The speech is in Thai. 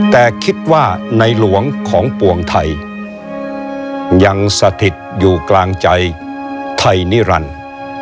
แต่คิดว่าในหลวงของปวงไทยยังสถิตอยู่กลางใจไทยนิรันดิ์